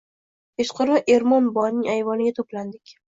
Kechqurun Ermon buvaning ayvoniga to‘plandik.